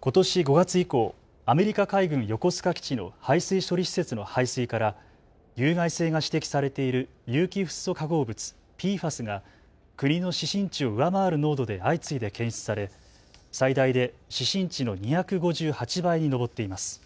ことし５月以降、アメリカ海軍横須賀基地の排水処理施設の排水から有害性が指摘されている有機フッ素化合物、ＰＦＡＳが国の指針値を上回る濃度で相次いで検出され最大で指針値の２５８倍に上っています。